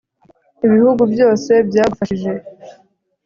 ibihugu byose byagufashije